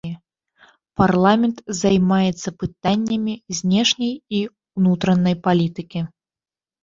Парламент займаецца пытаннямі знешняй і ўнутранай палітыкі.